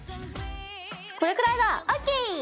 これくらいだ！ＯＫ！